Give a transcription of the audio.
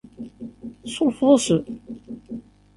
Tsurfeḍ-asen?